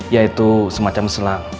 yaitu semacam selang